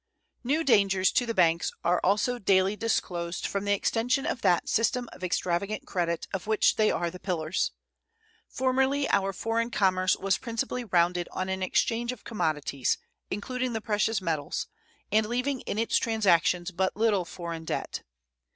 New dangers to the banks are also daily disclosed from the extension of that system of extravagant credit of which they are the pillars. Formerly our foreign commerce was principally rounded on an exchange of commodities, including the precious metals, and leaving in its transactions but little foreign debt.